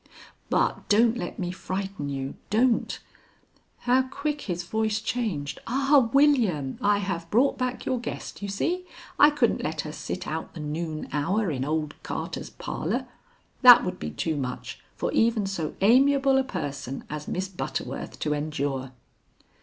But don't let me frighten you. Don't " How quick his voice changed! "Ah, William, I have brought back your guest, you see! I couldn't let her sit out the noon hour in old Carter's parlor. That would be too much for even so amiable a person as Miss Butterworth to endure."